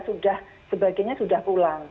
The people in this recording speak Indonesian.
sebagiannya sudah pulang